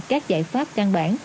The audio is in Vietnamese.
các giải pháp căng bản